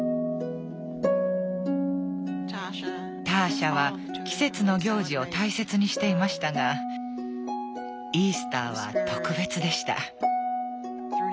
ターシャは季節の行事を大切にしていましたがイースターは特別でした。